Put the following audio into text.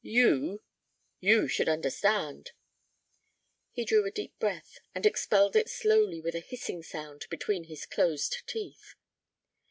You—you should understand." He drew a deep breath, and expelled it slowly with a hissing sound between his closed teeth.